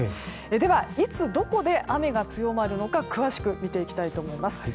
では、いつどこで雨が強まるのか詳しく見ていきたいと思います。